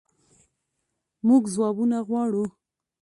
مونږ ځوابونه غواړو